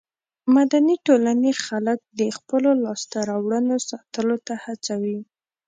مدني ټولنې خلک د خپلو لاسته راوړنو ساتلو ته هڅوي.